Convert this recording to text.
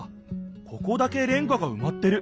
ここだけレンガがうまってる。